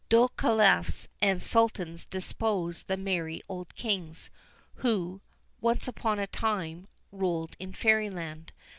Dull Caliphs and Sultans deposed the merry old Kings who "once upon a time" ruled in Fairyland.